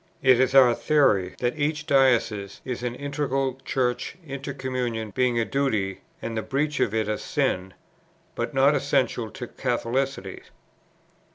It is our theory, that each diocese is an integral Church, intercommunion being a duty, (and the breach of it a sin,) but not essential to Catholicity.